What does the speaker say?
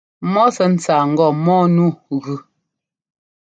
Mɔ sɛ́ ńtsáa ŋgɔ mɔ́ɔ nu gʉ.